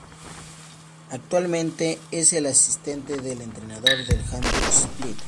Actualmente es el asistente del entrenador del Hajduk Split.